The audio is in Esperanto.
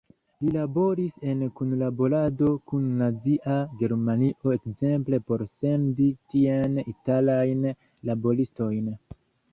Li laboris en kunlaborado kun Nazia Germanio ekzemple por sendi tien italajn laboristojn.